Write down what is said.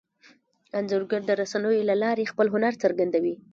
انځورګر د رسنیو له لارې خپل هنر څرګندوي.